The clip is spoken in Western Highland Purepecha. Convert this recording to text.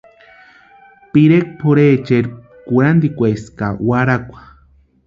Pirekwa pʼorhecheri kurhantikwaesti ka warhakwa.